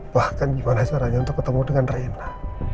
bahkan gimana caranya untuk ketemu dengan raina